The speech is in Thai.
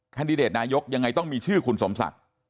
แดดิเดตนายกยังไงต้องมีชื่อคุณสมศักดิ์